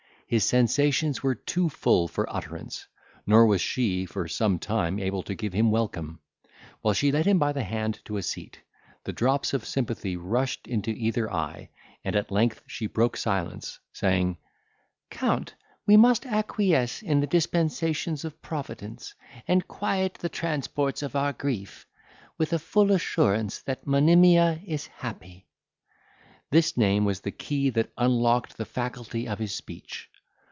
His sensations were too full for utterance; nor was she, for some time, able to give him welcome. While she led him by the hand to a seat, the drops of sympathy rushed into either eye; and at length she broke silence, saying, "Count, we must acquiesce in the dispensations of Providence; and quiet the transports of our grief, with a full assurance that Monimia is happy." This name was the key that unlocked the faculty of his speech.